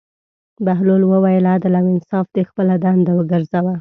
بهلول وویل: عدل او انصاف دې خپله دنده وګرځوه.